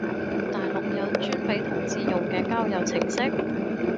大陸有專俾同志用嘅交友程式？